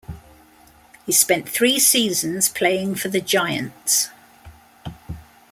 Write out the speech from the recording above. He spent three seasons playing for the Giants.